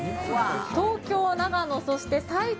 東京、長野そして埼玉